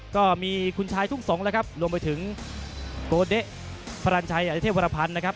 ก็มีคุณชายทุ่งสงศ์แล้วครับรวมไปถึงโกเด๊ะพรรณชัยอริเทพวรพันธ์นะครับ